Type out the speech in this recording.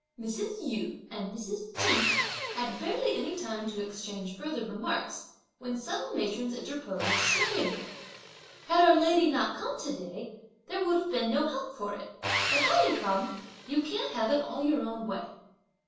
Mrs. Yu and Mrs. Ch'in had barely any time to exchange any further remarks, when several matrons interposed, smilingly: "Had our lady not come to day, there would have been no help for it, but having come, you can't have it all your own way."